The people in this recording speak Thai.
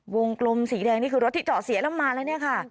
กลมสีแดงนี่คือรถที่จอดเสียแล้วมาแล้วเนี่ยค่ะ